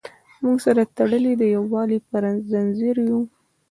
موږ سره تړلي د یووالي په زنځیر یو.